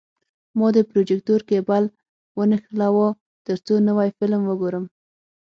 ما د پروجیکتور کیبل ونښلاوه، ترڅو نوی فلم وګورم.